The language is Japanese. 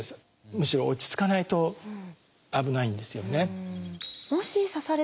むしろ落ち着かないと危ないんですよね。